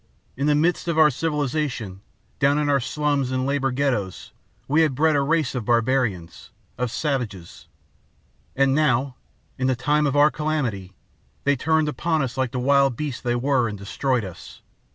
In the midst of our civilization, down in our slums and labor ghettos, we had bred a race of barbarians, of savages; and now, in the time of our calamity, they turned upon us like the wild beasts they were and destroyed us.